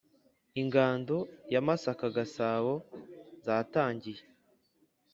Ingando ya Masaka Gasabo zatangiye